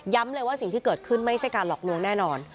เลยว่าสิ่งที่เกิดขึ้นไม่ใช่การหลอกลวงแน่นอน